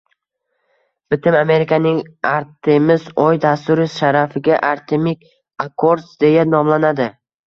Bitim Amerikaning Artemis oy dasturi sharafiga Artemis Accords deya nomlanadi.